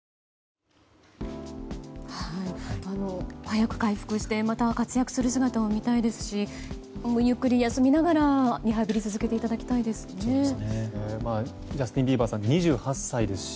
早く回復してまた活躍する姿を見たいですしゆっくり休みながらリハビリを続けていただきたいですね。